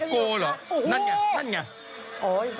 โกห์หรอนั่นไงนั่นไง